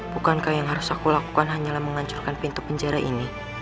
bukankah yang harus aku lakukan hanyalah menghancurkan pintu penjara ini